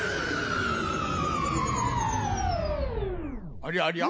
ありゃりゃ？